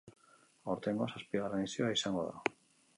Aurtengoa, zazpigarren edizioa izango da.